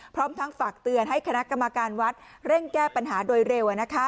พร้อมทั้งฝากเตือนให้คณะกรรมการวัดเร่งแก้ปัญหาโดยเร็ว